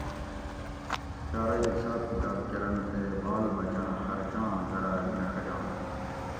شارئی حساب کتاب کۤرنت تے باۤل بچاں خرچاں دراۤک نہ ڛجنت